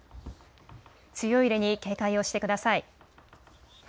強い揺れに警戒をしてください。